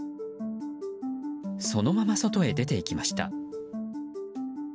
そのまま外へ出ていきました。